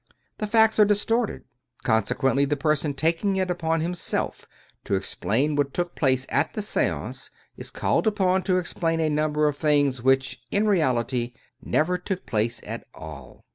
The facts are distorted. Consequently, the person taking it upon himself to explain what took place at the seance is called upon to explain a number of things which, in reality, never took place at all.